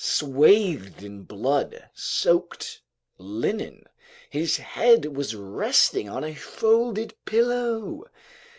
Swathed in blood soaked linen, his head was resting on a folded pillow.